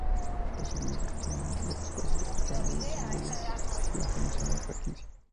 Posteriormente ficharon al ex-base de Orlando, Jason Williams ya conocido en la franquicia.